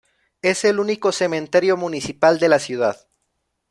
Es el único cementerio municipal de la ciudad.